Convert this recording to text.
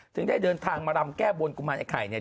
ได้เดินทางมารำแก้บนกุมารไอไข่เนี่ย